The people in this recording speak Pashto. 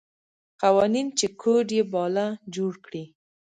قوانین چې کوډ یې باله جوړ کړي.